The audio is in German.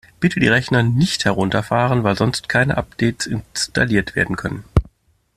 Bitte die Rechner nicht herunterfahren, weil sonst keine Updates installiert werden können!